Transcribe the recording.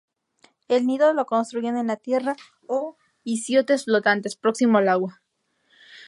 El nido lo construyen en la tierra o islotes flotantes, próximo al agua.